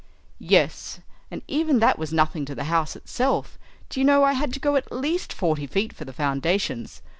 "Yes, and even that was nothing to the house itself. Do you know, I had to go at least forty feet for the foundations.